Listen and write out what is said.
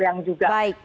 yang terjadi di dunia ini